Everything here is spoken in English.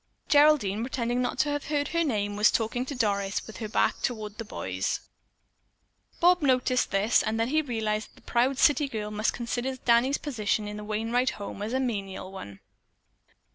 Geraldine, pretending not to have heard her name, was talking to Doris and her back was toward the boys. Bob noticed this, and then he realized that the proud city girl might consider Danny's position in the Wainright home a menial one.